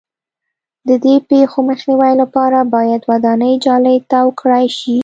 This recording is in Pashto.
د دې پېښو مخنیوي لپاره باید ودانۍ جالۍ تاو کړای شي.